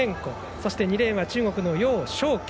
そして２レーンは中国の楊少橋。